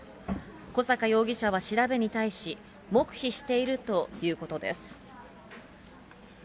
小阪容疑者は調べに対し、黙秘しているということです。